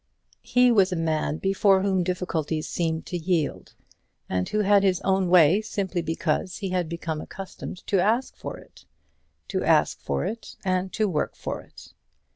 He was a man before whom difficulties seemed to yield, and who had his own way simply because he had become accustomed to ask for it, to ask for it and to work for it.